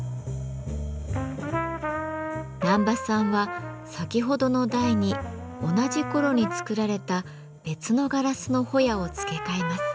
難波さんは先ほどの台に同じ頃に作られた別のガラスのほやを付け替えます。